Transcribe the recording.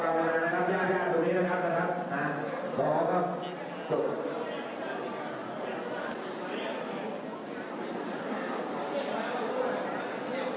น้องน้องจะพูดหนึ่งนะครับร่างกายสูงรุ่นเสียงแรงนะครับ